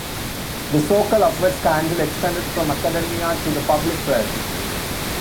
The Sokal Affair scandal extended from academia to the public press.